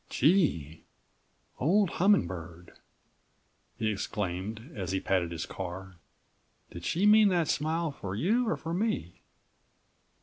"Gee! Old Humming Bird," he exclaimed as he patted his car, "did she mean that smile for you or for me?